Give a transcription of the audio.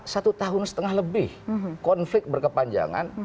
satu tahun setengah lebih konflik berkepanjangan